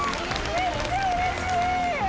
めっちゃうれしい。